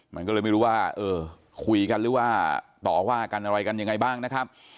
มันก็เลยไม่รู้ว่าเออคุยกันหรือว่าต่อว่ากันอะไรกันยังไงบ้างนะครับ